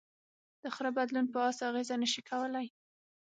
د خره بدلون په آس اغېز نهشي کولی.